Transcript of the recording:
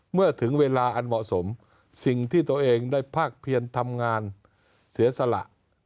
เมื่อถึงเวลาอันเหมาะสมสิ่งที่ตัวเองได้ภาคเพียนทำงานเสียสละ